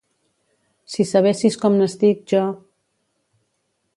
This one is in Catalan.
—Si sabessis com n'estic jo…